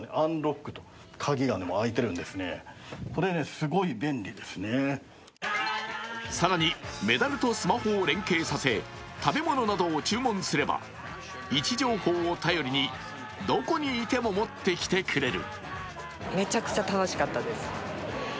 すると更にメダルをスマホを連携させ食べ物などを注文すれば位置情報を頼りに、どこにいても持ってきてくれる。